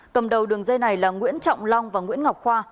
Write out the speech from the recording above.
cầm đầu đường dây này là nguyễn trọng long và nguyễn ngọc khoa